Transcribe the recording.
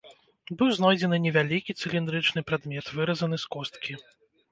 Быў знойдзены невялікі цыліндрычны прадмет, выразаны з косткі.